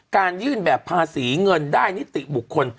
การยื่นแบบภาษีเงินได้นิติบุคคล